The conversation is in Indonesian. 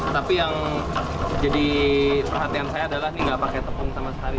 tapi yang jadi perhatian saya adalah ini nggak pakai tepung sama sekali